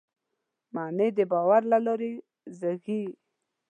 معنی د باور له لارې زېږي.